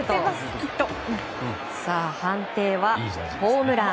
さあ判定は、ホームラン！